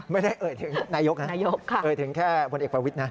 ไม่ได้เอ่ยถึงนายกนะนายกเอ่ยถึงแค่พลเอกประวิทย์นะ